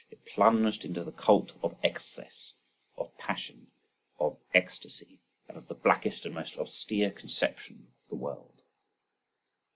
It plunged into the cult of excess, of passion, of ecstasy, and of the blackest and most austere conception of the world.